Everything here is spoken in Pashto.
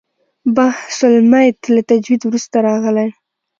بحث المیت له تجوید وروسته راغلی.